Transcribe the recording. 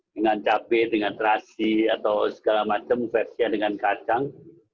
dengan cabai dengan terasi atau segala macam versinya dengan kacang